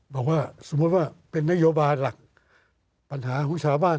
บอกว่าสมมุติว่าเป็นนโยบายหลักปัญหาของชาวบ้าน